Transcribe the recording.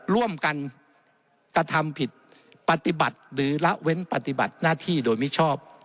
ร่วมกันกระทำผิดปฏิบัติหรือละเว้นปฏิบัติหน้าที่โดยมิชอบ